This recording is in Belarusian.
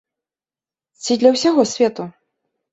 Ці для ўсяго свету?